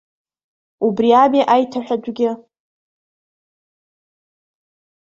Убри ами аиҭаҳәатәгьы.